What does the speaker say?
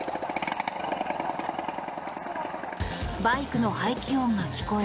バイクの排気音が聞こえ